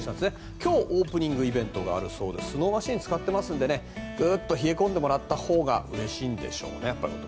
今日、オープニングイベントがありましてスノーマシンを使ってますのでグッと冷え込んでもらったほうがうれしいんでしょうね。